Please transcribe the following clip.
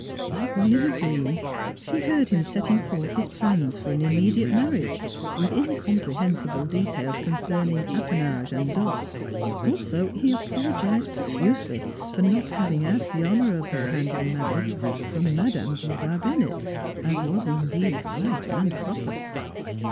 Like one in a dream she heard him setting forth his plans for an immediate marriage, with incom NEIGHBORS 355 prehensible details concerning apanage and dot. Also, he apologized profusely for not having asked the honor of her hand in marriage from Madame Dubois Bennett, as was indeed right and proper.